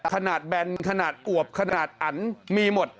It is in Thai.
แบนขนาดอวบขนาดอันมีหมด